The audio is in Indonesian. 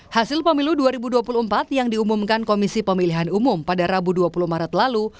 hasil pemilu dua ribu dua puluh empat yang diumumkan komisi pemilihan umum pada rabu dua puluh maret lalu